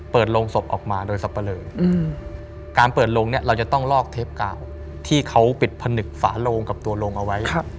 โรงศพออกมาโดยสับปะเลอการเปิดโรงเนี่ยเราจะต้องลอกเทปกาวที่เขาปิดผนึกฝาโลงกับตัวลงเอาไว้